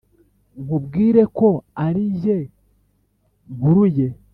nkubwire ko ari jye mpuruye,